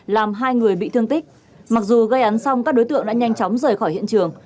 làm hai người bị thương tích mặc dù gây án xong các đối tượng đã nhanh chóng rời khỏi hiện trường